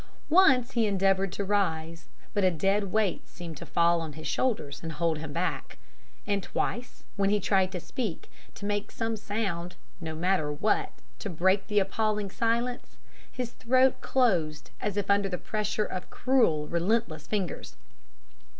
Once he endeavoured to rise, but a dead weight seemed to fall on his shoulders and hold him back; and twice, when he tried to speak to make some sound, no matter what, to break the appalling silence his throat closed as if under the pressure of cruel, relentless fingers.